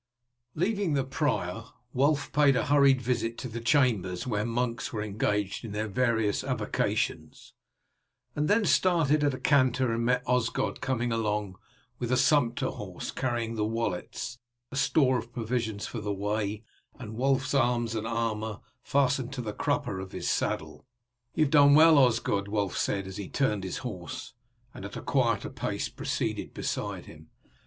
Leaving the prior, Wulf paid a hurried visit to the chambers where the monks were engaged in their various avocations, and then started at a canter and met Osgod coming along with a sumpter horse carrying the wallets, a store of provisions for the way, and Wulf's arms and armour fastened to the crupper of his saddle. "You have done well, Osgod," Wulf said as he turned his horse, and at a quieter pace proceeded beside him.